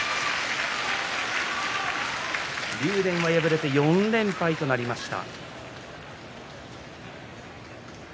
竜電は敗れて４連敗となりました。